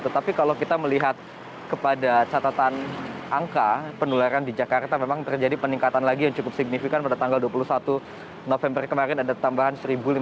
tetapi kalau kita melihat kepada catatan angka penularan di jakarta memang terjadi peningkatan lagi yang cukup signifikan pada tanggal dua puluh satu november kemarin ada tambahan satu lima ratus